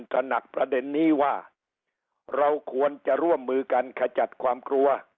ถนัดประเด็นนี้ว่าเราควรจะร่วมมือกันขจัดความกลัว